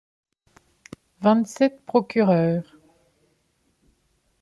Vingt-sept procureurs.